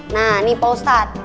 nah nih pak ustadz